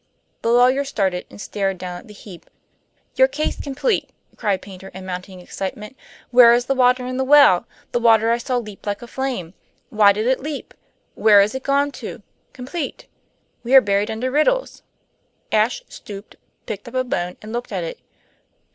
The lawyer started and stared down at the heap. "Your case complete!" cried Paynter, in mounting excitement. "Where is the water in the well? The water I saw leap like a flame? Why did it leap? Where is it gone to? Complete! We are buried under riddles." Ashe stooped, picked up a bone and looked at it.